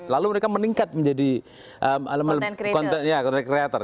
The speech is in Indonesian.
lalu mereka meningkat menjadi content creator